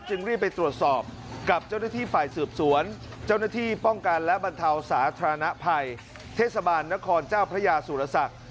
รีบไปตรวจสอบกับเจ้าหน้าที่ฝ่ายสืบสวนเจ้าหน้าที่ป้องกันและบรรเทาสาธารณภัยเทศบาลนครเจ้าพระยาสุรศักดิ์